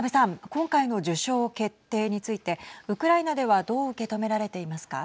今回の受賞決定についてウクライナではどう受け止められていますか。